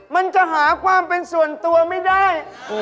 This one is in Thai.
มันจะหาความเป็นส่วนตัวไม่ได้